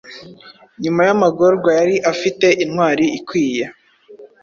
Nyuma yamagorwa yari afite Intwari ikwiye